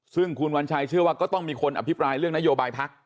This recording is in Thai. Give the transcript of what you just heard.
ซึ่งคุณวัญชัยเชื่อว่าก็ต้องมีคนอภิปรายเรื่องนโยบายพัก